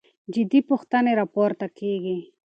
جدي پوښتنې راپورته کېږي.